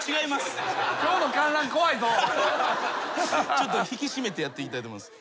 ちょっと引き締めてやっていきたいと思います。